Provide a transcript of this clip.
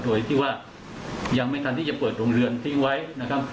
โดยที่ว่ายังไม่ทันที่จะเปิดโรงเรือนทิ้งไว้นะครับ